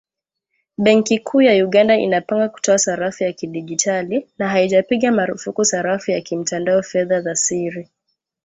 Benki kuu ya Uganda inapanga kutoa sarafu ya kidigitali, na haijapiga marufuku sarafu ya kimtandao “fedha za siri."